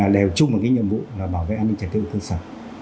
đều chung một nhiệm vụ là bảo vệ an ninh trật tự ở cơ sở